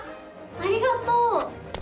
ありがとう！